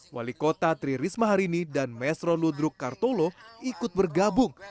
wali kota tri risma harini dan mesro ludruk kartolo ikut bergabung